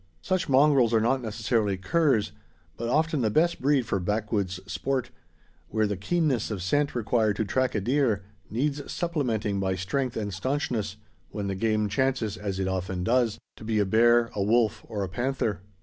Such mongrels are not necessarily curs, but often the best breed for backwoods' sport; where the keenness of scent required to track a deer, needs supplementing by strength and staunchness, when the game chances, as it often does, to be a bear, a wolf, or a panther.